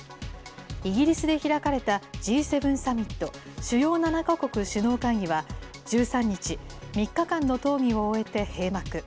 イギリスで開かれたＧ７サミット・主要７か国首脳会議は、１３日、３日間の討議を終えて閉幕。